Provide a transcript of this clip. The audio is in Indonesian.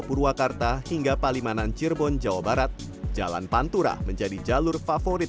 purwakarta hingga palimanan cirebon jawa barat jalan pantura menjadi jalur favorit